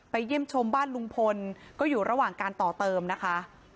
เยี่ยมชมบ้านลุงพลก็อยู่ระหว่างการต่อเติมนะคะ